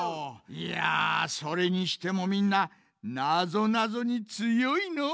いやそれにしてもみんななぞなぞにつよいのう。